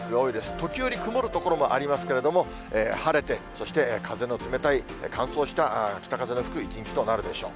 時折、曇る所もありますけれども、晴れて、そして風の冷たい乾燥した北風の吹く一日となるでしょう。